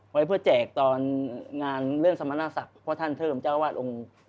ไว้เพื่อแจกตอนงานเรื่องสมณศักดิ์เพราะท่านเทิมเจ้าวาดองค์